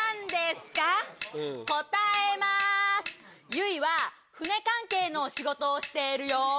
ゆいは船関係の仕事をしているよ。